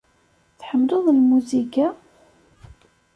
Tḥemmleḍ lmuziga?